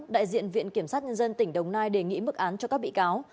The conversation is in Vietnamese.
đại diện viện kiểm sát nhân dân tỉnh đồng nai đề nghị mức án cho các bị cáo